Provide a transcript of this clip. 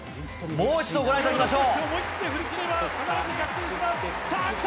もう一度ご覧いただきましょう。